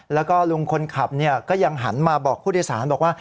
แล้วก็ลุงคนขับก็ยังหันมาบอกผู้โดยสารบอกว่า